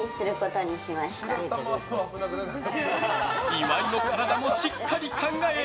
岩井の体もしっかり考え